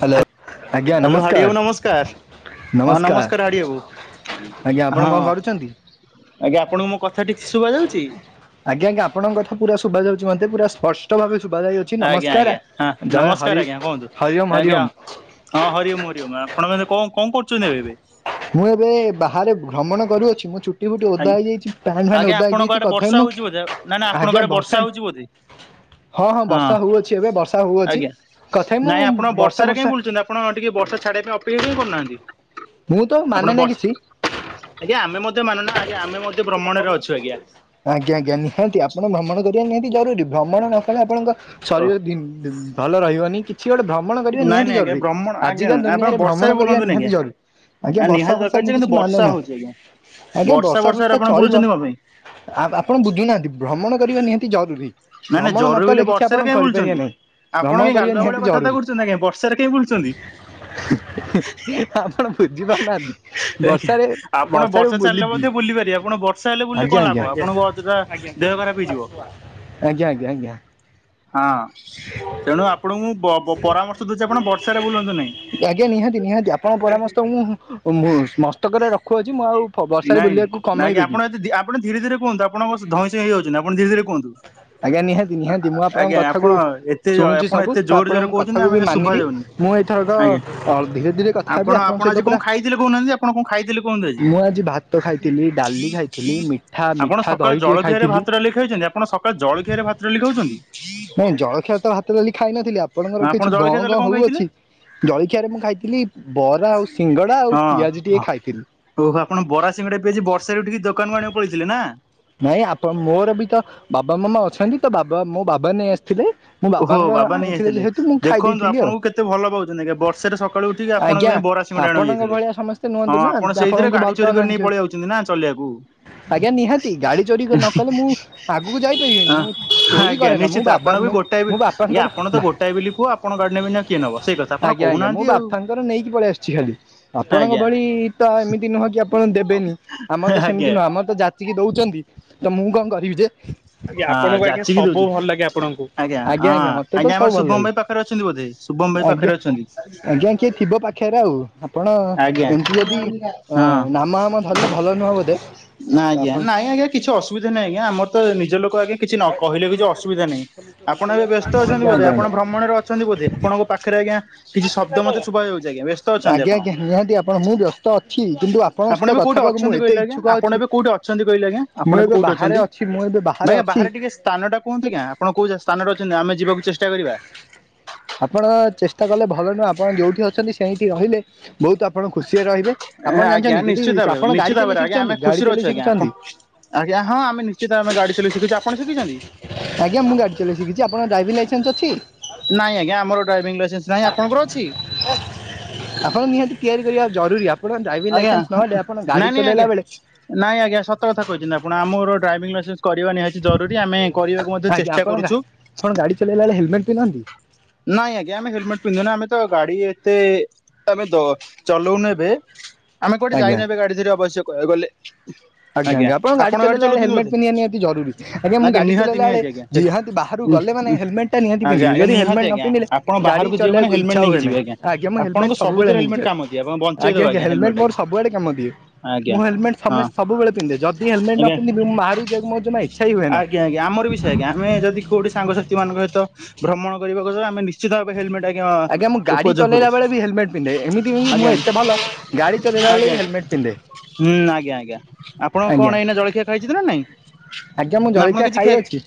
Hello ଆଜ୍ଞା hello ନମସ୍କାର ହାଡ଼ିବାବୁ ନମସ୍କାର। ହଁ ନମସ୍କାର ହାଡ଼ିବାବୁ ହଁ। ଆଜ୍ଞା ଆପଣ କଣ କରୁଛନ୍ତି? ଆଜ୍ଞା ଆପଣଙ୍କୁ ମୋ କଥା ଠିକ ସେ ଶୁଭା ଯାଉଚି? ମୋତେ ପୁରା ଷ ସ୍ପଷ୍ଟ ଭାବେ ଶୁଭାଯାଉଛି ଆଜ୍ଞା ନମସ୍କାର ଆଜ୍ଞା ହଁ ଜୟ ନମସ୍କାର ହରି ଆଜ୍ଞା କୁହନ୍ତୁ ହରିଓମ୍ ଆଜ୍ଞା ହରିଓମ୍। ହଁ ହରିଓମ ହରିଓମ ଆପଣ ମାନେ କ କଣ କରୁଚନ୍ତି ଏବେ ଏବେ? ମୁଁ ଏବେ ବାହାରେ ଭ୍ରମଣ କରୁଅଛି ମୁଁ ଚୁଟି ଫୁଟି ଓଦା ହେଇଯାଇଚି, ପ୍ୟାଣ୍ଟ ଫ୍ୟାଣ୍ଟ ଆଜ୍ଞା ଓଦା ଆପଣଙ୍କ ହେଇଯାଇଚି ଆଡେ ତଥାପି ବର୍ଷା ମୁଁ ହଉଛି ବୋଧେ ନା ନା ଆପଣଙ୍କ ଆଜ୍ଞା ଆଡେ ଭ ବର୍ଷା ହଉଚି ବୋଧେ। ବର୍ଷା ହଁ ହଉଅଛି ଏବେ ବର୍ଷା ହଉଅଛି। ଆଜ୍ଞା କଥା ମୁଁ ନାଇଁ ଆପଣ ବର୍ଷା ବର୍ଷାରେ କାଇହିଁ ଫର୍ଷା ବୁଲୁଚନ୍ତି ଆପଣ ଟିକେ ବର୍ଷା ଛାଡିବା ପାଇଁ ଅପେକ୍ଷା କାହିଁ କରୁନାହାନ୍ତି? ମୁଁ ତ ଆପଣ ମାନେ ନା ବର୍ଷା କିଛି। ଆଜ୍ଞା ଆମେ ମଧ୍ୟ ମାନୁନା ଆଜ୍ଞା ଆମେ ମଧ୍ୟ ଭ୍ରମଣରେ ଅଛୁ ଆଜ୍ଞା ଆଜ୍ଞା ଆଜ୍ଞା ନିହାତି ଆପଣ ଭ୍ରମଣ କ ରିବା ନିହାତି ଜରୁରୀ ଭ୍ରମଣ ଓ ନ କଲେ ଆପଣଙ୍କ ଶରୀର ଧିମ୍ ଧିମ ବି ଭଲ ରହିବନି କି କିଛି ଗୋଟେ ଭ୍ରମଣ କରିବା ନାଇଁ ନିହାତି ନାଇଁ ଆଜ୍ଞା ଜରୁରୀ, ଭ୍ରମଣ ଆଜ୍ଞା ଆଜିକାଲି ଆପଣ ଦୁନିଆରେ ବର୍ଷାରେ ଭ୍ରମଣ କରିବା ବୁଲନ୍ତୁନି ନିହାତି ଆଜ୍ଞା ଜରୁରୀ। ଆଜ୍ଞା ନା ବର୍ଷା ନିହାତି ଫର୍ଷା ଦରକାର ଯେ ମୁଁ କିନ୍ତୁ କିଛି ମାନେ ବର୍ଷା ନା ହଉଛି ଆଜ୍ଞା। ଆଜ୍ଞା ବର୍ଷା ବର୍ଷାରେ ଫର୍ଷା ଆପଣ ଚଳିବ। ବୁଲୁଛନ୍ତି କଣ ପାଇଁ ଆ ଆପଣ ବୁଝୁନାହାନ୍ତି ଭ୍ରମଣ କରିବା ନିହାତି ଜରୁରୀ। ନା ନା ଭ୍ରମଣ ନ ଜରୁରୀ କଲେ ବୋଲି କିଛି ଆପଣ ବର୍ଷାରେ କାଇହିଁ କରିପାରିବେ ବୁଲୁଛନ୍ତି ନାହିଁ। ଭ୍ରମଣ ଆପଣ ବି କରିବା ଗାଲୁଆ ନିହାତି ଭଳିଆ କଥାବାର୍ତ୍ତା ଜରୁରୀ କରୁଚ ନ୍ତି ନା କାଇଁ ବର୍ଷାରେ କାହିଁ ବୁଲୁଚନ୍ତି? ଆପଣ ବୁଝିପାରୁନାହାନ୍ତି ଆଜ୍ଞା ବର୍ଷାରେ ଆପଣ ବର୍ଷାରେ ବର୍ଷା ଚାଲିଲେ ବୁଲିବି ମଧ୍ୟ ବୁଲି ପାରିବେ ଆପଣ ବର୍ଷା ହେଲେ ବୁଲିଲେ ଆଜ୍ଞା କଣ ଆଜ୍ଞା ଲାଭ ଆଜ୍ଞା ଆପଣ ଣଙ୍କ ଅଯଥା ଦେହ ଖରାପ ହେଇଯିବ। ଆଜ୍ଞା ଆଜ୍ଞା ଆଜ୍ଞା। ହଁ ତେଣୁ ଆପଣଙ୍କୁ ମୁଁ ପ ବ ବ ପରାମର୍ଶ ଦଉଚି ଆପଣ ବର୍ଷାରେ ବୁଲନ୍ତୁ ନାହିଁ। ଆଜ୍ଞା ନିହାତି ନିହାତି ଆପଣଙ୍କ ପରାମର୍ଶ ତ ମୁଁ ମସ୍ତକରେ ରଖୁଅଛି ମୁଁ ଆଉ ବର୍ଷାରେ ନାଇଁ ବୁଲିବାକୁ ନାଇଁ କି କମେଇଦେବି ଆପଣ ଏତି ଆପଣ ଧୀରେ ଧୀରେ କୁହନ୍ତୁ ଆପଣଙ୍କ ଧଇଁ ସଇଁ ହେଇଯାଉଚନ୍ତି ଆପଣ ଧୀରେ ଧୀରେ କୁହନ୍ତୁ। ଆଜ୍ଞା ନିହାତି ଆ ନିହାତି ମୁଁ ଆ ଆପଣଙ୍କ ଆଜ୍ଞା କଥାକୁ ଆପଣ ଏତେ ଶୁଣୁଛି ଆପଣ ସବୁ ଏତେ ତ ଜୋରରେ ଆପଣଙ୍କ ଜୋରରେ କହୁଚନ୍ତି କଥାକୁ ବି ଆମେ ଶୁଭା ମାନିବି ଯାଉନି ମୁଁ ଏଇଥରକ ଆଜ୍ଞା ଧୀରେ ଧୀରେ କଥା ହେବି ଆପଣ ଆପଣଙ୍କ ଆପଣ ସହିତ ଆଜି କଣ ପୁରା ଖାଇଥିଲେ କହୁନାହାନ୍ତି ଆପଣ କଣ ଖାଇଥିଲେ କୁହନ୍ତୁ ଆଜି? ଭାତ ଖାଇଥିଲି ଡାଲି ଖାଇଥିଲି ମିଠା ଆପଣ ମିଠା ସକାଳ ଦହି ଟିକେ ଜଳଖିଆରେ ଖାଇଥିଲି। ଭାତ ଡାଲି ଖାଇଛନ୍ତି ଆପଣ ସକାଳ ଜଳଖିଆରେ ଭାତ ଡାଲି ଖାଉଛନ୍ତି? ନାଇଁ ଜଳଖିଆ ତ ହାତ ଡାଲି ଖାଇ ନଥିଲି ଆ ଆପଣଙ୍କର ଆପଣ କିଛି ଗଁ ଜଳଖିଆ ତାହେଲେ ଗଁ କଣ ଖାଇଥିଲେ? ହଉଅଛି? ଜଳଖିଆରେ ମୁଁ ଖାଇଥିଲି ବରା ଆଉ ସିଙ୍ଗଡା ଆଉ ହଁ ପିଆଜି ଟିକେ ଖାଇଥିଲି। ଓହୋ ଆପଣ ବରା ସିଙ୍ଗଡା ପିଆଜି ବର୍ଷାରେ ଉଠିକି ଦୋକାନକୁ ଆଣିବାକୁ ପଳେଇଥିଲେ ନା? ନାଇଁ ଆପଣ ମୋର ବି ତ ବାବା ମାମା ଅଛନ୍ତି ତ ବାବା ମୋ ବାବା ନେଇ ଆସିଥିଲେ। ମୋ ଓହୋ ବାବାଙ୍କ ବାବା ନେଇ ଆଣିଥିଲେ ଆସିଥିଲେ ଯେହେତୁ ମୁଁ ଖାଇ ଦେଖନ୍ତୁ ଦେଇଥିଲି ଆଉ ଆପଣଙ୍କୁ କେତେ ଭଲ ପାଉଛନ୍ତି ଆଜ୍ଞା ବର୍ଷାରେ ସକାଳୁ ଉଠିକି ଆପଣଙ୍କ ଆଜ୍ଞା ପାଇଁ ବରା ସିଙ୍ଗଡ଼ା ଆଣିବାକୁ ଆପଣଙ୍କ ଯାଇଥିଲେ ଭଳିଆ ସମସ୍ତେ ନୁହନ୍ତୁ ହଁ ନା ଆପଣ ସେଇଥିରେ ଆପଣଙ୍କୁ ଭଲ ଗାଡି ଚୋରି କରି ପାଉନାହାନ୍ତି ନେଇ ଯେହେତୁ ପଳେଇ ଯାଉଛନ୍ତି ନା ଚଲେଇବାକୁ। ଆଜ୍ଞା ନିହାତି। ଗାଡ଼ି ଚୋରି ନ କଲେ ମୁଁ ଆଗକୁ ଯାଇପାରିବିନି ମୁଁ ଚୋରି ଆଜ୍ଞା କରେନା ମୁଁ ନିଶ୍ଚିତ ଆପଣ ବାବା ବି ମୁଁ ଗୋଟାଏ ବି ମୁଁ ଆଜ୍ଞା ବାପାଙ୍କର ଆପଣ ତ ଗୋଟାଏ ବିଲି ପୁଅ ଆପଣ ଗାଡି ନେବେନି ଆଉ କିଏ ନବ ସେଇ କଥା ଆପଣ ଆଜ୍ଞା ଆଜ୍ଞା କହୁନାହାନ୍ତି ମୁଁ ଆଉ। ବାପାଙ୍କର ନେଇକି ପଳେଇ ଆସିଚି ଖାଲି। ଆପଣଙ୍କ ଆଜ୍ଞା ଭଳି ତ ଏମିତି ନୁହଁ କି ଆପଣ ଦେବେନି ଆମର ତ ସେମିତି ଆଜ୍ଞା ନୁହଁ ଆମର ତ ଜାଚିକି ଦ କହୁଛନ୍ତି ତ ମୁଁ କଣ କରିବି ଯେ? ଆଜ୍ଞା ହଁ ଆପଣଙ୍କୁ ଆଜ୍ଞା ଯାଚିକି ସବୁ ଦଉଛି ଭଲ ଲାଗେ ଆପଣଙ୍କୁ ଆଜ୍ଞା ହଁ ଆଜ୍ଞା ମତେ ତ ସବୁ ଆମର ଭଲ ଶୁଭମ ଲାଗେ। ଭାଇ ପାଖରେ ଅଛନ୍ତି ବୋଧେ ଶୁଭମ ଭାଇ ଆଜ୍ଞା ପାଖରେ ଅଛନ୍ତି ଆଜ୍ଞା କିଏ ଥିବ ପାଖରେ ଆଉ? ଆପଣ ଆଜ୍ଞା ଏମିତି ଯଦି ଅ ହଁ। ନାମ ହାମ ଧରିଲେ ଭଲ ନୁହଁ ବୋଧେ। ନାଁ ତ ଆଜ୍ଞା ଆପଣ ନାଇଁ ଆଜ୍ଞା କିଛି ଅସୁବିଧା ନାଁ ଆଜ୍ଞା ଆମର ତ ନିଜ ଲୋକ ଆଜ୍ଞା କିଛି କହିଲେ କିଛି ଅସୁବିଧା ନାହିଁ। ଆପଣ ଏବେ ବ୍ୟସ୍ତ ଅଛନ୍ତି ଆଜ୍ଞା ଆଜ୍ଞା ବୋଧେ ଆପଣ ଭ୍ରମଣରେ ଅଛନ୍ତି ବୋଧେ ଆପଣଙ୍କ ପାଖରେ ଆଜ୍ଞା କିଛି ଶବ୍ଦ ମତେ ଶୁଭା ଯାଉଛି। ବ୍ୟସ୍ତ ଅଛନ୍ତି ଆଜ୍ଞା ଆପଣ ଆଜ୍ଞା ନିହାତି ଆପଣ ମୁଁ ବ୍ୟସ୍ତ ଅଛି କିନ୍ତୁ ଆପଣଙ୍କ ଆପଣ ସହିତ ଏବେ କଥା କୋଉଠି ହେବାକୁ ମୁଁ ଅଛନ୍ତି ଏତେ କହିଲେ ଆଜ୍ଞା ଇଚ୍ଛୁକ ଆପଣ ଅଛି ଏବେ କୋଉଠି ଅଛନ୍ତି କହିଲେ ଆଜ୍ଞା ମୁଁ ଆପଣ ଏବେ କୋଉଠି ବାହାରେ ଅଛନ୍ତି? ଅଛି ମୁଁ ଏବେ ଆଜ୍ଞା ଅଛି ବାହାରେ ଟିକେ ସ୍ଥାନ ଟା କୁହନ୍ତି ଆଜ୍ଞା ଆପଣ କୋଉ ସ୍ଥାନରେ ଅଛନ୍ତି ଆମେ ଯିବାକୁ ଚେଷ୍ଟା କରିବା। ଆପଣ ଚେଷ୍ଟା କଲେ ଭଲ ନୁହେଁ ଆପଣ ଯୋଉଠି ଅଛନ୍ତି ସେଇଠି ରହିଲେ ବହୁତ ଆପଣ ଖୁସିରେ ରହିବେ ଆପଣ ଆଜ୍ଞା ଜାଣିଛନ୍ତି ଯଦି ନିଶ୍ଚିତ ଭାବରେ ଆପଣ ଗାଡି ନିଶ୍ଚିତ ଚଲେଇ ଭାବରେ ଆଜ୍ଞା ଆମେ ଶିଖିଛନ୍ତି ଗାଡି ଖୁସିରେ ଆଜ୍ଞା ଆଜ୍ଞା ହଁ ଆମେ ନିଶ୍ଚିତ ଆମେ ଗାଡି ଚଲେଇ ଶିଖିଛୁ ଆପଣ ଶିଖିଛନ୍ତି? କିଛି ଆପଣ ଡ୍ରାଇଭିଙ୍ଗ୍ ନାଇଁ ଆଜ୍ଞା ଆମର ଡ୍ରାଇଭିଂ ଲାଇସେନ୍ସ ନାହିଁ ଆପଣଙ୍କର ଅଛି? ଆପଣ ନିହାତି ତିଆରି କରିବା ଜରୁରୀ ଆପଣଙ୍କ ଡ୍ରାଇଭିଂ ଆଜ୍ଞା ଲାଇସେନ୍ସ ନହେଲେ ଆପଣ ଗାଡି ନାଇଁ ନାଇଁ ଚଲେଇଲା ଆଜ୍ଞା। ବେଳେ ନାଇଁ ଆଜ୍ଞା ସତକଥା କହିଛନ୍ତି ଆପଣ ଆମର ଡ୍ରାଇଭିଂ ଲାଇସେନ୍ସ କରିବା ନିହାତି ଜରୁରୀ ଆମେ କରିବାକୁ ମଧ୍ୟ ଆଜ୍ଞା ଚେଷ୍ଟା ଆପଣ ଗା କରୁଛୁ। ଆପଣ ଗାଡି ଚଲେଇଲା ବେଳେ ହେଲମେଟ ପିନ୍ଧନ୍ତି? ନାଇଁ ଆଜ୍ଞା ଆମେ ହେଲମେଟ ପିନ୍ଧୁ ଆମେ ତ ଗାଡି ତେ ଆମେ ଚଲଉନୁ ଏବେ। ଆମେ କୋଉଠି ଆଜ୍ଞା ଯାଇନେ ଏବେ ଗାଡି ଧରେ ଆବଶ୍ୟ କହିବାକୁ ଗଲେ। [inaudible] ଆଜ୍ଞା ଆଜ୍ଞା ଆପଣ ଗାଡି ଚଲାଇଲାବେଳେ ହେଲମେଟ ପନ୍ଧିବା ନିହାତି ଜରୁରୀ ଆଜ୍ଞା ଗାଡ଼ି ନିହାତି ଚଲେଇଲା ବେଳେ ନିହାତି ନିହାତି ବାହାରକୁ ଗଲେ। ଆଜ୍ଞା। ହେଲମଟା ନିହାତି ଆଜ୍ଞା ପିନ୍ଧିବେ ଆଜ୍ଞା ନିହାତି ହେଲମେଟ ନ ଆଜ୍ଞା ପିନ୍ଧିଲ ଆପଣ ଗାଡି ବାହାରକୁ ଯିବେ ମାନେ ଚଳେଇକୁ ହେଲମେଟ ଇଚ୍ଛା ନେଇକି ହୁଏ ନା ଯିବେ ଆଜ୍ଞା ହେଲମେଟ ଆପଣଙ୍କ ସବୁ ହେଲମେଟ କାମ ଦିଏ। ଆଜ୍ଞା ହେଲମେଟ ମୋର ସବୁଆଡେ କାମ ଦିଏ ମୁଁ ଆଜ୍ଞା ହେଲମେଟ୍ ହଁ ସମସ୍ତେ ସବୁବେଳେ ପିନ୍ଧେ ଯଦି ହେଲମେଟ ନ ଆଜ୍ଞା। ପିନ୍ଧିବେ ବାହାରୁ ଯମା ଇ ଆଜ୍ଞା ଆଜ୍ଞା ଆମର ବି ସେ ଆଜ୍ଞା ଆମେ ଯଦି କୋଉଠି ସାଙ୍ଗସାଥି ମାନଙ୍କ ସହିତ ଭ୍ରମଣ କରିବା ଆମେ ନିଶ୍ଚିତ ଭାବେ ହେଲମେଟ ଆ ଆଜ୍ଞା ମୁଁ ଗାଡି ଉପଯୋଗ କରୁ ଚଲେଇଲା ବେଳେ ବି ହେଲମେଟ ପିନ୍ଧେ ଏମିତି କି ମୁଁ ଆଜ୍ଞା ଏତେ ଭଲ ଗାଡି ଚଲେଇଲା ବେଳେ ଆଜ୍ଞା। ବି ହେଲମେଟ ପିନ୍ଧେ। ହୁଁ ଆଜ୍ଞା ଆଜ୍ଞା ଆପଣ କଣ ଆଜ୍ଞା ଏଇନା ଜଳଖିଆ ଖାଇଛନ୍ତି ନା ନାଇଁ? ଆଜ୍ଞା ମୁଁ ନା ଆପଣ ଜଳଖିଆ କିଛି ଖିଆ ଖାଇଅଛି।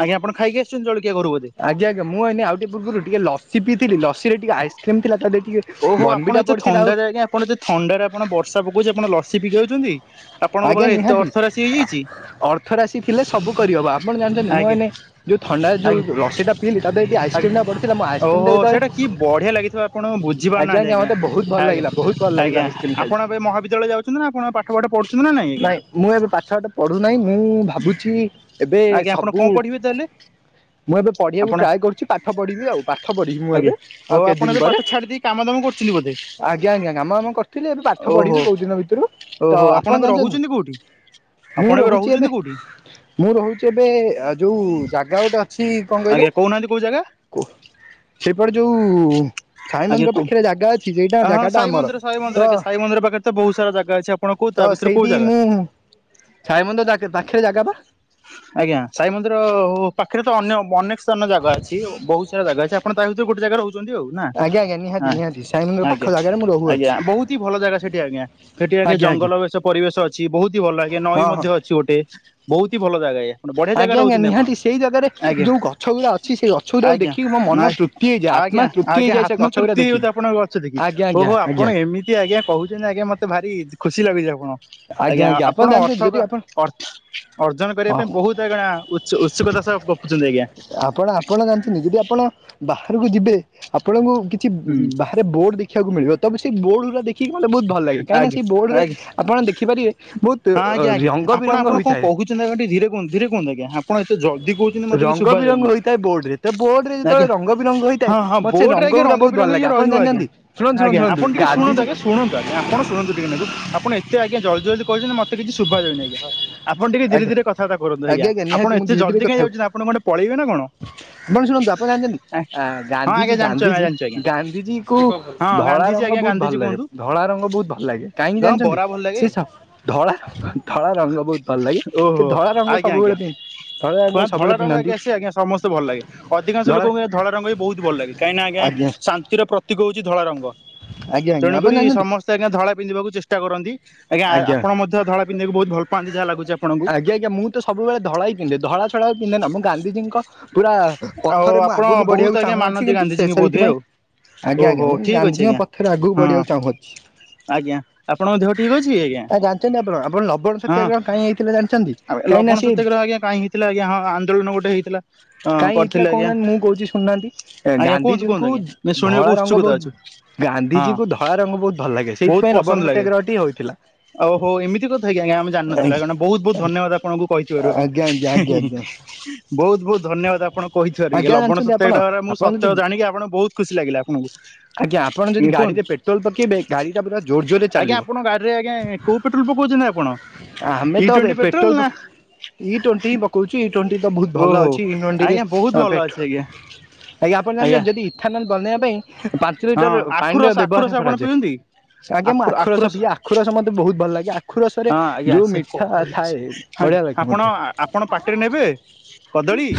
ଆଜ୍ଞା ଆପଣ ଖାଇକି ଆସିଛନ୍ତି ଜଳଖିଆ ଘରୁ ବୋଧେ? ଆଜ୍ଞା ଆଜ୍ଞା ମୁଁ ଏଇନି ଆଉଟେ ପୂର୍ବରୁ ଟିକେ ଲସି ପିଇଥିଲି। ଲସିରେ ଟିକେ ଆଇସକ୍ରିମ ଥିଲା। ଦେହରେ ଟିକେ ଓହୋ ଆପଣ ବନବିଟା ଏତେ ପଡିଥିଲା ଆଉ ଥଣ୍ଡାରେ ଆଜ୍ଞା ଆପଣ ଏତେ ଥଣ୍ଡାରେ ଆପଣ ବର୍ଷା ପକାଉଛି ଆପଣ ଲସି ପିିକଉଛନ୍ତି। ଆପଣଙ୍କ ଆଜ୍ଞା ପାଖରେ ଏତେ ନିହାତି ଅର୍ଥ ରାଶି ହେଇଯାଇଛି। ଅର୍ଥ ରାଶି ଥିଲେ ସବୁ କରିହବ ଆପଣ ଜାଣିଛନ୍ତି ମୁଁ ଆଜ୍ଞା ଏଇନେ ଯୋଉ ଥଣ୍ଡା ଆଜ୍ଞା ଯୋଉ ଲସି ଟା ପିଇଲି ତା ଦେହରେ। ଆଜ୍ଞା ଆଇସକ୍ରିମ ଟା ପଡ଼ିଥିଲା ମୁଁ ଆଇସକ୍ରିମ ଟା ଓହୋ ଯେତେବେଳେ ସେଇଟା କି ବଢ଼ିଆ ଲାଗିଥିବ ଆପଣ ବୁଝିପାରୁନାହାନ୍ତି ଆଜ୍ଞା ମତେ ବହୁତ ଭଲ ଆ ଆଜ୍ଞା। ଲାଗିଲା ବହୁତ ଭଲ ଲାଗିଲା ଆଜ୍ଞା ଆଇସ୍କ୍ରିମ୍ ଆପଣ ଖାଇକି। ଏବେ ମହାବିଦ୍ୟାଳୟ ଯାଉଛନ୍ତି ନା ଆପଣ ପାଠପଠ ପଢୁଛନ୍ତି। ନା ଆଜ୍ଞା? ନାଇଁ ମୁଁ ଏବେ ପାଠ ସାଠ ପଢୁନାହିଁ ମୁଁ ଭାବୁଛି ଏବେ ଆଜ୍ଞା ଆପଣ ସବୁ କଣ ପଢିବେ ତାହେଲେ ମୁଁ ଏବେ ପଢିବାକୁ ଆପଣ ଟ୍ରାଏ କରୁଛି ପାଠ ପଢିବି ଆଉ ପାଠ ପଢିବି ମୁଁ ଏବେ ଆଜ୍ଞା ଓ ଆଉ କେତେ ଆପଣ ଦିନି ଏବେ ପରେ। ପାଠ ଛାଡି ଦେଇକି କାମ ଦାମ କରୁଛନ୍ତି ବୋଧେ? ଆଜ୍ଞା ଆଜ୍ଞା କାମ ଦାମ କରିଥିଲି ଏବେ ପାଠ ଓହୋ ପଢିବି କୋଉ ଦିନ ଭିତରୁ। ତ ଓହୋ ଆପ୍ ଆପଣ ଜାଣିଛନ୍ତି ମୁଁ ରହୁଛି ଏବେ ରହୁଛନ୍ତି କୋଉଠି? ମୁଁ ରହୁଛି ଏବେ ଯୋଉ ଜାଗା ଗୋଟେ ଅଛି କଣ କହିଲେ? ଆଜ୍ଞା କହୁନାହାନ୍ତି କୋଉ ଜାଗା କୁ ସେପଟେ ଯୋଉ ସାଇ ଆଜ୍ଞା ମନ୍ଦିର କୁ ପାଖରେ ଜାଗା ଅଛି ସେଇଟା ହଁ ଜାଗା ଟା ସଇ ଆମର ମନ୍ଦିର ସଇ ତ ମନ୍ଦିର ଆଜ୍ଞା ସାଇ ମନ୍ଦିର ପାଖରେ ତ ବହୁତ ସାରା ଜାଗା ଅଛି ଆପଣ କୁ ତ ତା ଭିତରେ ସେଇଠି କୋଉ ଜାଗା। ମୁଁ ସାଇ ମନ୍ଦିର ପାଖରେ ଜାଗା ବା ଆଜ୍ଞା ସାଇ ମନ୍ଦିର ହୋ ପାଖରେ ତ ଅନ୍ୟ ଅନେକ ସ୍ଥାନର ଜାଗା ଅଛି ବହୁସାରା ଜାଗା ଅଛି ଆପଣ ତା ଭିତରେ ଗୋଟେ ଜାଗା ରହୁ ଛନ୍ତି ଆଉ ନା। ଆଜ୍ଞା ଆଜ୍ଞା ନିହାତି ନିହାତି ସାଇ ମନ୍ଦିର ପାଖ ଆଜ୍ଞା ଜାଗାରେ ମୁଁ ରହୁଅଛି ଆଜ୍ଞା ବହୁତି ଭଲ ଜାଗା ସେଠି ଆଜ୍ଞା ସେଠି ଆଜ୍ଞା ଜଙ୍ଗଲବେଷ ପରିବେଶ ଅଛି ବହୁତି ଭଲ ଲାଗେ ନଈ ହଁ ହଁ ମଧ୍ୟ ଅଛି ଗୋଟେ ବହୁତି ଭଲ ଜାଗା ଆଜ୍ଞା। ବଢିଆ ଆଜ୍ଞା ଜାଗାରେ ଆଜ୍ଞା ରହୁଛନ୍ତି ଆପଣ। ନିହାତି ସେଇ ଜାଗାରେ ଆଜ୍ଞା ଯଉ ଗଛ ଗୁରା ଅଛି ସେ ଗଛଗୁରିକକୁ ଆଜ୍ଞା ଦେଖି ମୋ ମନ ତୃପ୍ତି ହେଇଯାଏ ଆତ୍ମା ତୃପ୍ତି ହେଇଯାଏ ସେ ଗଛ ଗୁରା ତିଉତି ଦେଖିକି। ଆପଣଙ୍କ ଗଛ ଦେଖିଛି ଆଜ୍ଞା ଆଜ୍ଞା ଓହୋ ଆପଣ ଆଜ୍ଞା ଏମିତି ଆଜ୍ଞା କହୁଛନ୍ତି ଆଜ୍ଞା ମତେ ଭାରି ଖୁସି ଲାଗୁଛି ଆପଣ। ଆଜ୍ଞା ଆପଣ ଅର୍ଥକ ଅ ଅର୍ଜନ କରିବା ପାଇଁ ବହୁତୁ ଏହିକିନ ଉଛୁକ ଉ ଆପଣ ଆପଣ ଜାଣିଛନ୍ତି ଯଦି ଆପଣ ବାହା ଯିବେ ଆପଣଙ୍କୁ କିଛି ହୁଁ। ବାହାରେ ବୋର୍ଡ ଦେଖିବାକୁ ମିଳିବ ତମ ସେ ବୋର୍ଡ ରୁ ଦେଖ କିକି ମତେ ବହୁତ ଭଲ ଲାଗେ କାହିଁକିନା ଆଜ୍ଞା ସେ ବୋର୍ଡରେ ଆଜ୍ଞା ହଁ ଆପଣ ଦେଖିପାରିବେ ବହୁତୁ ଆଜ୍ଞା ଆଜ୍ଞା ରଙ୍ଗ ଆପଣ ବିରଙ୍ଗ ଆପଣ କଣ ହୋଇଥାଏ। କହୁଛନ୍ତି ଆଜ୍ଞା ଟିକେ ଧୀରେ କୁହନ୍ତୁ ଧୀରେ କୁହନ୍ତୁ ଆଜ୍ଞା ଆପଣ ଏତେ ଜଲ୍ଦି କହୁଛନ୍ତି ମତେ କିଛି ରଙ୍ଗ ଶୁଭା ବିରଙ୍ଗ ଯାଉନି ହେଇଥାଏ ବୋର୍ଡରେ। ତ ବୋର୍ଡ ରେ ଯେତେବେଳେ ଆଜ୍ଞା ରଙ୍ଗ ବିରଙ୍ଗ ହେଇଥାଏ ହଁ ହଁ ମତେ ସେ ବୋର୍ଡରେ ରଙ୍ଗ ଆଜ୍ଞା ଗୁରା ବହୁ ଭଲ ବିରଙ୍ଗ ଲାଗେ ଇଏ ଆପଣ ରହିବ ଆଜ୍ଞା। ଜାଣିନ୍ତି ଶୁଣନ୍ତୁ ଶୁଣନ୍ତୁ ଆଜ୍ଞା ଶୁଣନ୍ତୁ ଆପଣ ଟିକେ ଶୁଣନ୍ତୁ ଗନ୍ଧିଜି ଆଜ୍ଞା ଶୁଣନ୍ତୁ ଆଜ୍ଞା ଆପଣ ଶୁଣନ୍ତୁ ଟିକେ ନାକୁ ଆପଣ ଏତେ ଆଜ୍ଞା ଜଲଦି ଜଲଦି କହିଛନ୍ତି ମତେ କିଛି ଶୁଭା ଯାଉନି ଆଜ୍ଞା। ଆପଣ ଟିକେ ଧୀରେ ଆଜ୍ଞା ଧୀରେ କଥାବାର୍ତା କରନ୍ତୁ ଆଜ୍ଞା। ଆପଣ ନିହାତି ମୁଁ ଏତେ ଧୀରେ ଧୀରେ ଜଲ୍ଦି କଥା କାହିଁ ହେବି ଯାଉଛନ୍ତି ଆପଣ ଗୋଟେ ପଳେଇବେ ନା କଣ? ଆପଣ ଶୁଣନ୍ତୁ ଆପଣ ଜାଣିଛନ୍ତି ଆଁ ଆ ହଁ ଗାନ୍ଧିଜୀ ଆଜ୍ଞା ଜାଣିଛୁ ଆଜ୍ଞା ଗାନ୍ଧୀଜୀ ଜାଣିଛୁ ଆଜ୍ଞା ଗାନ୍ଧିଜୀ କୁ ହଁ ଧଳା ଗାନ୍ଧିଜୀ ରଙ୍ଗ ଆଜ୍ଞା ବହୁତୁ ଭଲ ଗାନ୍ଧିଜୀ ଲାଗେ। କୁହନ୍ତୁ। ଧଳା ରଙ୍ଗ ବହୁତୁ ଭଲ ଲାଗେ କାହିଁକି ହଁ ଜାଣିଛନ୍ତି ବରା ଭଲ ସି ଲାଗେ ସ ଧଳା ରଙ୍ଗ ଧଳା ରଙ୍ଗ ବହୁତୁ ଭଲ ଲାଗେ କି ଧଳା ରଙ୍ଗ ସବୁବେଳେ ପି ଚୁଆ ଧଳା ରଙ୍ଗ ଆଜ୍ଞା ସିଏ ଆଜ୍ଞା ସମସ୍ତେ ଭଲ ଲାଗେ ଅଧିକାଂଶ ଲୋକଙ୍କୁ ଆଜ୍ଞା ଧଳା ରଙ୍ଗ ବି ବହୁତୁ ଭଲ ଲାଗ କାହିଁକି ନା ଆଜ୍ଞା ଶାନ୍ତିର ପ୍ରତୀକ ହଉଛି ଧଳା ରଙ୍ଗ। ଆଜ୍ଞା ତେଣୁକରି ଆଜ୍ଞା [unintelligible] ସମସ୍ତେ ଆଜ୍ଞା ଧଳା ପିନ୍ଧିବାକୁ ଚେଷ୍ଟା କରନ୍ତି। ଆଜ୍ଞା ଆପଣ ମଧ୍ୟ ଧଳା ପିନ୍ଧିବାକୁ ବହୁତୁ ଭଲ ପାଆନ୍ତି ଯାହା ଲାଗୁଛି ଆପଣଙ୍କୁ? ତା ଛଡା ପିନ୍ଧ ନା ମୁଁ ଗାନ୍ଧିଜୀଙ୍କ ପୁରା ଆଉ ପଥରେ ମୁଁ ଆପଣ ଆଗକୁ ବହୁତ ବଢିବାକୁ ଆଜ୍ଞା ଚାହୁଁଅଛି ମାନନ୍ତି କିନ୍ତୁ ସେ ଗାନ୍ଧିଜୀଙ୍କୁ ବୋଧହୁଏ ସେଇଥିପାଇଁ ଆଉ ଆଜ୍ଞା ଆଜ୍ଞା ଓହୋ ମୁଁ ଠିକ ଅଛି ଗାନ୍ଧିଜି ଙ୍କ ଆଜ୍ଞା। ପଥରେ ହଁ ବଢିବାକୁ ଚାହୁଁଅଛି। ଆଜ୍ଞା ଆପଣଙ୍କ ଦେହ ଠିକ ଅଛି ଆଜ୍ଞା ଆ ଜାଣିଛନ୍ତି ଆପଣ ଆପଣ ଲବଣ ହଁ ସତ୍ୟାଗ୍ରହ କାହିଁ ହେଇଥିଲା ଜାଣିଛନ୍ତି? ଆଉ କାହିଁକି ନା ଲବଣ ସିଏ ସତ୍ୟାଗ୍ରହ ଆଜ୍ଞା କାହିଁକି ହେଇଥିଲା। ହେଲା ଆଜ୍ଞା ହଁ ଆନ୍ଦୋଳନ ଗୋଟେ ହେଇଥିଲା। ହଁ କାଇଁ ହେଇଥିଲା କରିଥିଲେ ଆଜ୍ଞା କହୁନାହାନ୍ତି ମୁଁ କହୁଛି ଶୁଣୁ ନାହାନ୍ତି ଆଜ୍ଞା କୁହନ୍ତୁ କୁହନ୍ତୁ ଗାନ୍ଧିଜୀଙ୍କୁ ଆଜ୍ଞା ଆମେ ଶୁଣିବାକୁ ଧଳା ରଙ୍ଗ ଉତ୍ସୁକତା ଅଛୁ ବହୁତୁ ହଁ। ଗାନ୍ଧିଜୀ କୁ ଧଳା ରଙ୍ଗ ବହୁତୁ ଭଲ ଲାଗେ ବହୁତ ସେଇଥିପାଇଁ ପସନ୍ଦ ଲବଣ ଲାଗେ। ସତ୍ୟାଗ୍ରହଟି ହୋଇଥିଲା। ଓହୋ ଏମିତି କଥା କି ଆଜ୍ଞା ଆମେ ଜାଣିନଥିଲା ଆଜ୍ଞା କାରଣ ବହୁତ ବହୁତ ଧନ୍ୟବାଦ ଆପଣଙ୍କୁ କହିଥିବାରୁ। ଆଜ୍ଞା ଆଜ୍ଞା ହିଁ ହିଁ ଆଜ୍ଞା ହିଁ ବହୁତୁ ତ ଧନ୍ୟବାଦ ଆପଣ କହିଥିବାର ଇଏ ଆଜ୍ଞା ଲବଣ ଜାଣିଛନ୍ତି ଆପଣ ସତ୍ୟାଗ୍ରହ ର ସତ୍ୟ ଜାଣିକି ମୁଁ ଆପଣ ଯଦି ସତ୍ୟ ଜାଣିକି ଆପଣ ବହୁତ ଖୁସି ଲାଗିଲା ଆପଣଙ୍କୁ। ଆଜ୍ଞା ଆପଣ ଯଦି ଆଜ୍ଞା କୁହନ୍ତୁ ଗାଡିରେ ପେଟ୍ରୋଲ ପକେଇବେ ଗାଡିଟା ପୁରା ଜୋର ଜୋରରେ ଚାଲିବ। ଆଜ୍ଞା ଆପଣଙ୍କ ଗାଡିରେ ଆଜ୍ଞା କୋଉ ପେଟ୍ରୋଲ ପକାଉଛନ୍ତି ଆପଣ? ଆମେ ଇ ତ ଟ୍ୱେଣ୍ଟି ପେଟ୍ରୋଲ ନା ଇ ଟ୍ୱେଣ୍ଟି ହିଁ ପକଉଛୁ ଇ ଟ୍ୱେଣ୍ଟି ତ ବହୁତ ଭଲ ଓହୋ ଅ। ଛି ନଣ୍ଡିରେ ଆଜ୍ଞା ବହୁତ ଭଲ ପେଟୋ ଅଛି ଆଜ୍ଞା ଆଜ୍ଞା ଆପଣ ଜାଣିଛନ୍ତି ଯଦି ଇଥାନଲ ବନେଇବା ପାଇଁ ପାଞ୍ଚ ହଁ ଲିଟର ଆଖୁ ପାଣିର ରସ ଆଖୁ ବ୍ୟବହାର ରସ ଆପଣ କରାଯାଏ ପିଅନ୍ତି? ଆଜ୍ଞା ମୁଁ ଆଖୁ ରସ ପିଇ ଆଖୁ ରସ ମତେ ବହୁତ ଭଲ ଲାଗେ ଆଖୁ ରସ ରେ ହଁ ଯୋଉ ସେ ମିଠା ଥାଏ ବଢିଆ ଆଜ୍ଞା ଲାଗେ ଆପଣ ମତେ ଆପଣ ପାଟିରେ ନେବେ କଦଳୀ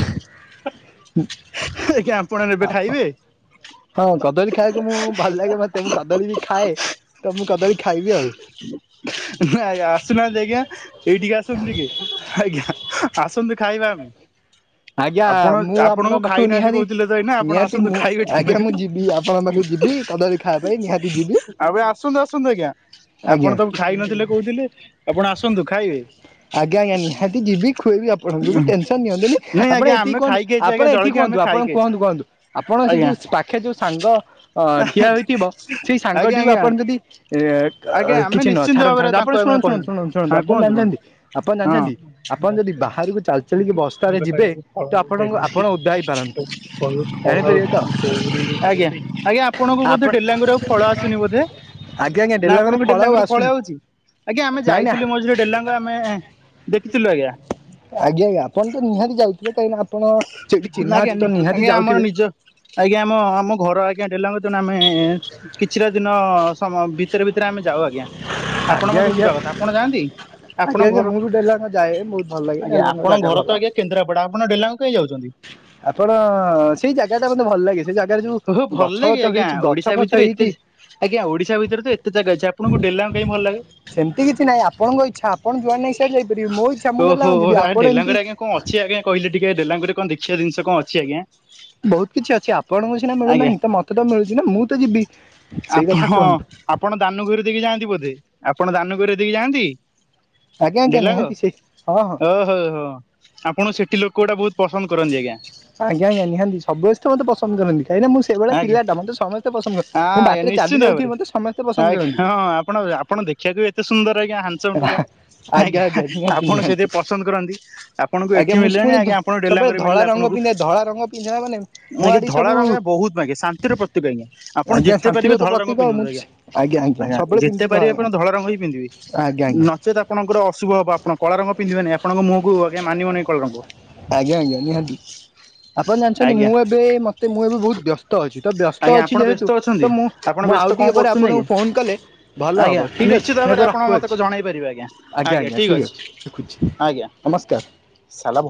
ଆଜ୍ଞା ଆପଣ ନେବେ ଖାଇବେ? ହଁ କଦଳୀ ଖାଇବାକୁ ମୁଁ ଭଲ ଲାଗେ ମତେ ମୁ କଦ୍ ଦଳୀ ବି ଖାଏ। ତ ମୁଁ କଦଳୀ ଖାଇବି ଆଉ। ନ ଆ ଆସୁନାହାନ୍ତି ଆଜ୍ଞା ଏଇଠିକି ଆସନ୍ତୁ ଟିକେ। ଆଜ୍ଞା। ଆସନ୍ତୁ ଖାଇବା ଆମେ ଆଜ୍ଞା ଆପଣ ମୁଁ ଆପଣଙ୍କ ଆପଣଙ୍କୁ ପାଖକୁ ଖାଇନାହାନ୍ତି ନିହାତି କହୁଥିଲେ ତ ଏଇନା ଆପଣ ନିହାତି ଆସନ୍ତୁ ମୁଁ ଖାଇବେ ଟିକେ ଆଜ୍ଞା ନାକୁ ମୁଁ ଯିବି ଆପଣଙ୍କ ଯିବି କଦଳୀ ଖାଇବା ପାଇଁ ନିହାତି ଯିବି ଆଉ ଏବେ ଆସନ୍ତୁ ଆସନ୍ତୁ ଆଜ୍ଞା। ଆଜ୍ଞା। ଆପଣ ତାକୁୁ ଖାଇ ନଥିଲେ କହୁଥିଲେ ଆପଣ ଆସନ୍ତୁ ଖାଇବେ। ଖୋଇବି ଆପଣଙ୍କୁ ବି ଟେନସନ୍ ନିଅନ୍ତୁନି। ନାଇଁ ଆପଣ ଆଜ୍ଞା ଏତିକି ଆମେ କୁହନ୍ତୁ ଖାଇକି ଆଇଛୁ ଆପଣ ଆଜ୍ଞା ଏଠି ଜଳଖିଆ କୁହନ୍ତୁ ଆମେ ଆପଣ ଖାଇକି ଆଇଛୁ କୁହନ୍ତୁ କୁହନ୍ତୁ ଆପଣ ସେ ଆଜ୍ଞା। ଯୋଉ ପାଖେ ଯୋଉ ସାଙ୍ଗ ଅଁ ଠିଆ ହୋଇଥିବ ସେଇ ଆଜ୍ଞା ସାଙ୍ଗଟିକୁ ଆଜ୍ଞା ଆପଣ ଯଦି ଏ ଆଜ୍ଞା ଆମେ କିଛି ନୁହଁ ନିଶ୍ଚିନ୍ତ ଛାଡନ୍ତୁ ଭାବରେ ଛଡନ୍ତୁ ଆପଣ ତାଙ୍କୁ ଆମେ ଶୁଣନ୍ତୁ ଶୁଣନ୍ତୁ କହିବୁ। ଶୁଣନ୍ତୁ ଶୁଣନ୍ତୁ ହଁ ଆପ ପନ୍ କୁହନ୍ତୁ କୁହନ୍ତୁ ଜାଣିଛନ୍ତି ଆପଣ ହଁ। ଜାଣିଛନ୍ତି ଆପଣ ଯଦି ବାହାରକୁ ଚାଲି ଚାଲିକି ବସ ଆଜ୍ଞା। ହେଇପାରନ୍ତି ଜାଣିପାରିବେ ତ ଆଜ୍ଞା ଆପଣଙ୍କୁ ବୋଧେ ଆପଣ ଡେଲାଙ୍ଗରେ ଆଉ ଫଳ ଆସୁନି ବୋଧେ ଆଜ୍ଞା ଆଜ୍ଞା ନା ଡେଲାଙ୍ଗରେ ଆପଣଙ୍କୁ ଆଉ ଡେଲାଙ୍ଗ ରୁ ଫଳ ଆସୁନି ଆଉଛି? ଆଜ୍ଞା ଆମେ ନାଇଁ ନା ଯାଇଥିଲୁ ମଝିରେ ଡେଲାଙ୍ଗ ଆମେ ଦେଖିଥିଲୁ ଆଜ୍ଞା। ଆଜ୍ଞା ଆଜ୍ଞା ଆପଣ ତ ନିହାତି ଯାଇଥିବେ ତ ଏଇନା ଆ୍ଞା ନି ଆଜ୍ଞା ଆମର ନିଜ ଆଜ୍ଞା ଆମ ଆମ ଘର ଆଜ୍ଞା ଡେଲାଙ୍ଗରେ ତୁ ଆମେ କିଛିଟା ଦିନ ସମ ଭିତରେ ଭିତରେ ଆମେ ଯାଉ ଆଜ୍ଞା। ଆପଣ ଆଜ୍ଞା ମଧ୍ୟ ଆଜ୍ଞା ଯିବା କଥା ଆପଣ ଯାଆନ୍ତି? ଆଜ୍ଞା ଆପଣଙ୍କ ଆଜ୍ଞା ଘର ମୁଁ ବି ଡେଲାଙ୍ଗ ଯାଏ ବହୁତ ଭଲ ଲାଗେ ଆଜ୍ଞା ଡେଲାଙ୍ଗ ଆପଣଙ୍କ ଜାଗା ଘର ଭଲ ତ ଆଜ୍ଞା କେନ୍ଦାପଡା ଆପଣ ଡେଲାଙ୍ଗ କାହିଁ ଯାଉଛନ୍ତି? ଆପଣ ସେଇ ଜାଗା ଟା ମୋତେ ଭଲ ଲାଗେ। ସେ ଜାଗାରେ ଯୋଉ ଓହୋ ଭଲ ଗଛ ଲାଗେ ଗଛ ଆଜ୍ଞା ହେଇଛି ଗଛ ଓଡିଶା ପଛ ଭିତରେ ଏତେ ହେଇକି ଆଜ୍ଞା ଓଡିଶା ଭିତରେ ତ ଏତେ ଜାଗା ଅଛି ଆପଣଙ୍କୁ ଡେଲାଙ୍ଗ କାଇଁ ଭଲ ଲାଗେ? ସେମିତି କିଛି ନାଇଁ ଆପଣଙ୍କ ଇଚ୍ଛା ଆପଣ ଯୁଆଡେ ନାଇଁ ସିଆଡେ ଯାଇପାରିବେ ମୋ ଇଛା ମୁଁ ଡେଲାଙ୍ଗ ଯିବି ଆପଣ ଏମିତି ଡେଲାଙ୍ଗ ରେ ଆଜ୍ଞା କଣ ଅଛି ଆଜ୍ଞା କହିଲେ ଟିକେ? ଡେଲାଙ୍ଗ ରେ କଣ ଦେଖିବା ଜିନିଷ କଣ ଅଛି ଆଞା? ବହୁତ କିଛି ଅଛି ଆପଣଙ୍କୁ ସିନା ଆଜ୍ଞା ମିଳୁନାହିଁ ତ ମତେ ତ ମିଳୁଛି ନା ମୁଁ ତ ଯିବି ସେଇ କଥା ଆପଣ କୁହନ୍ତୁ ଆପଣ ଦାନୁ ଘର ଦେଇକି ଯାଆନ୍ତି ବୋଧେ ଆପଣ ଦାନୁଗୁରେ ଦେଇକି ଯାଆନ୍ତି? ଆଜ୍ଞା ଆଜ୍ଞା ଡେଲାଙ୍ଗ ନିହାତି ସେଇ ହଁ ହଁ ଓହୋ ହୋ ଆପଣ ସେଠି ଲୋକ ଗୁଡା ବହୁତ ପସନ୍ଦ କରନ୍ତି ଆଜ୍ଞା ଆଜ୍ଞା ଆଜ୍ଞା ନିହାତି ସବୁ ବେସ୍ତେ ତ ମତେ ପସନ୍ଦ କରନ୍ତି। କାହିଁକିନା ମୁଁ ସେଇଭଳିଆ ଆଜ୍ଞା ପିଲାଟା ମତେ ସମସ୍ତେ ପସନ୍ଦ କରନ୍ତି। ମୁଁ ଆଜ୍ଞା ବାଟରେ ନିଶ୍ଚିନ୍ତ ଚାଲି ଭାବରେ ଯାଉଥିବି ମତେ ସମସ୍ତେ ପସନ୍ଦ ଆଜ୍ଞା କରନ୍ତି। ହଁ [unintelligible] ଆପଣ ଦେଖିବାକୁ ବି ଏତେ ସୁନ୍ଦର ଆଜ୍ଞା ହ୍ୟାଣ୍ଡସମ୍ ଟୋକା। ଆଜ୍ଞା ଆପଣ ସେଥିପାଇଁ ପସନ୍ଦ କରନ୍ତି। ଆପଣଙ୍କୁ ଆଜ୍ଞା ଏଠି ମୁଁ ମିଳିଲେନି ପୁଣି ଆଜ୍ଞା ଆପଣ ସବୁବେଳେ ଡେଲାଙ୍ଗରେ ଧଳା ମିଳିଲା ରଙ୍ଗ ଆପଣଙ୍କୁ। ପିନ୍ଧେ ଧଳା ରଙ୍ଗ ପିନ୍ଧିବା ମାନେ ମୋ ଆଜ୍ଞା ଆଡିି ଧଳା ସବୁ ରଙ୍ଗ ବହୁତ ମାଗେ ଶାନ୍ତିର ପ୍ରତୀକ ଆଜ୍ଞା ଆପଣ ଆଜ୍ଞା ଯେତେ ଶାନ୍ତିର ପାରିବେ ତ ଧଳା ରଙ୍ଗ ପ୍ରତୀକ ମୁଁ ପିନ୍ଧନ୍ତୁ ତ ଆଜ୍ଞା ଆଜ୍ଞା। ସବୁବେଳେ ଯେତେ ପିନ୍ଧୁଛି ପାରିବେ ଆପଣ ଧଳା ରଙ୍ଗ ହିଁ ପିନ୍ଧିବେ। ଆଜ୍ଞା ଆଜ୍ଞା ନଚେତ ଆପଣଙ୍କର ଅଶୁଭ ହବ ଆପଣ କଳା ରଙ୍ଗ ପିନ୍ଧିବେନି ଆପଣଙ୍କ ମୁହକୁ ମାନିମନି କଳା ରଙ୍ଗ। ଆଜ୍ଞା ଆଜ୍ଞା ନିହାତି ଆପଣ ଜାଣିଛନ୍ତି ଆଜ୍ଞା ମୁଁ ଏବେ ମତେ ମୁଁ ଏବେ ବହୁତ ବ୍ୟସ୍ତ ଅଛି। ତ ବ୍ୟସ୍ତ ଆଜ୍ଞା ଅଛି ଆପଣ ଯେହେତୁ ବ୍ୟସ୍ତ ତ ଅଛନ୍ତି ମୁଁ ଆପଣ ମୁଁ ବ୍ୟସ୍ତ ଆଉ କଣ ଟିକେ ପରେ କରୁଛନ୍ତି ଆପଣଙ୍କୁ ଆଜ୍ଞା? ଫୋନ କଲେ ଭଲ ହବ ଆଜ୍ଞା ଠିକ୍ ଅଛି। ନିଶ୍ଚିତ ମୁଁ ଏବେ ଭାବରେ ଆପଣ ମତେ ରଖୁଅଛି ଜଣେଇ ପାରିବେ ଆଜ୍ଞା ଆଜ୍ଞା ଠିକ ଠିକ୍ ଅଛି ରଖୁଛି। ନମସ୍କାର। ଶାଲା ବ